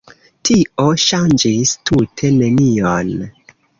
Tio ŝanĝis tute nenion.